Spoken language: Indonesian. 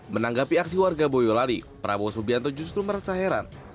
menanggapi aksi warga boyolali prabowo subianto justru merasa heran